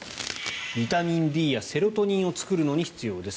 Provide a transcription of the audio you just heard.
ビタミンＤやセロトニンを作るのに必要です。